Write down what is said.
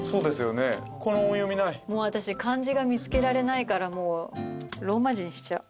もう私漢字が見つけられないからローマ字にしちゃう。